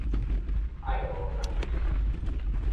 愛阿蘭